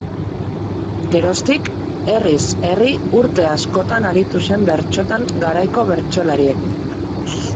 Geroztik herriz herri urte askotan aritu zen bertsotan garaiko bertsolariekin.